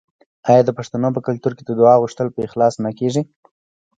آیا د پښتنو په کلتور کې د دعا غوښتل په اخلاص نه کیږي؟